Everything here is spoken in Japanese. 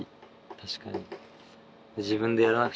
確かに。